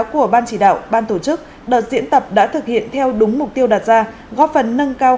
của ban chỉ đạo ban tổ chức đợt diễn tập đã thực hiện theo đúng mục tiêu đạt ra góp phần nâng cao